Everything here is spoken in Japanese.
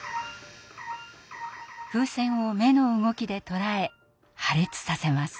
風船を目の動きで捉え破裂させます。